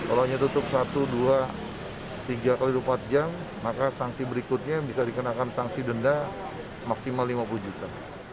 kalau hanya tutup satu dua tiga x dua puluh empat jam maka sanksi berikutnya bisa dikenakan sanksi denda maksimal lima puluh juta